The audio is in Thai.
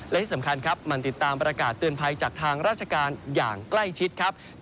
และที่สำคัญครับมันติดตามประกาศเตือนภัยจากทางราชการอย่างใกล้ชิดครับ